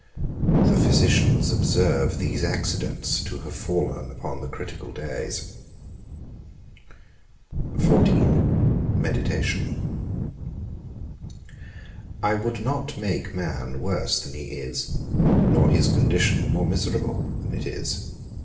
The physicians observe these accidents to have fallen upon the critical days. XIV. MEDITATION. I would not make man worse than he is, nor his condition more miserable than it is.